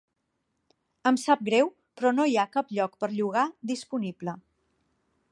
Em sap greu, però no hi ha cap lloc per llogar disponible.